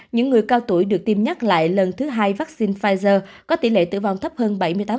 những người cao tuổi được tiêm nhắc lại lần thứ hai vaccine pfizer có tỷ lệ tử vong thấp hơn bảy mươi tám